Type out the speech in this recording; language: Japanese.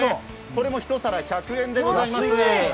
これも１皿１００円でございます。